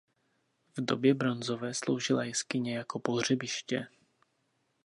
V době bronzové sloužila jeskyně jako pohřebiště.